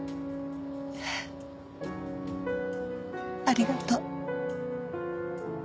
ありがとう。